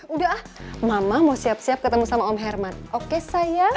udah ah mama mau siap siap ketemu sama om herman oke saya